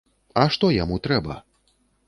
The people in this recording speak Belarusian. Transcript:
А што яму трэба?